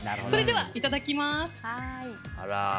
それではいただきます。